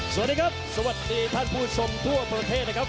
สวัสดีครับสวัสดีท่านผู้ชมทั่วประเทศนะครับ